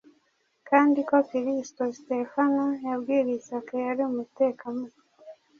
kandi ko Kristo Sitefano yabwirizaga yari umutekamutwe.